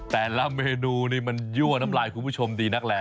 แต่ละเมนูนี่มันยั่วน้ำลายคุณผู้ชมดีนักแล้ว